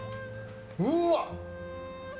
うわっ！